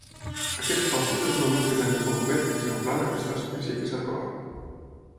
Aquest fòssil és el més gran i complet exemplar d'aquesta espècie que s'ha trobat.